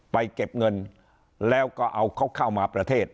เก็บเงินแล้วก็เอาเขาเข้ามาประเทศ